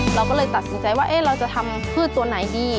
เราก็เลยตัดสินใจว่าเราจะทำพืชตัวไหนดี